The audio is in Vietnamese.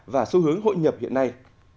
và xu hướng hội nhập hiện nay